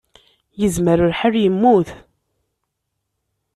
Yezmer lḥal yemmut.